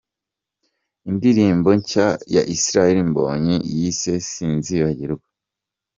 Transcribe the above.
Indirimbo nshya ya Israel Mbonyi yise ’Sinzibagirwa’